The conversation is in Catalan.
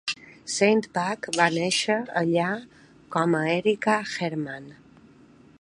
Steinbach va néixer allà com a Erika Hermann.